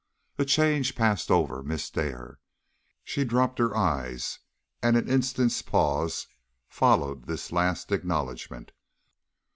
A change passed over Miss Dare. She dropped her eyes, and an instant's pause followed this last acknowledgment.